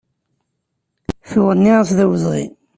Tuɣ nniɣ-as d awezɣi.